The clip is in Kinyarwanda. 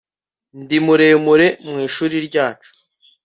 ndi muremure mu ishuri ryacu